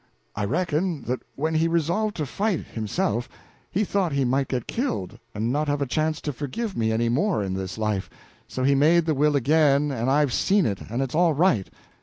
I reckon that when he resolved to fight, himself, he thought he might get killed and not have a chance to forgive me any more in this life, so he made the will again, and I've seen it, and it's all right.